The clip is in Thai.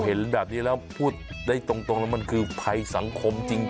เห็นแบบนี้แล้วพูดได้ตรงแล้วมันคือภัยสังคมจริง